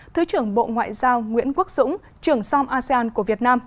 thứ trưởng bộ ngoại giao nguyễn quốc dũng trưởng som asean của việt nam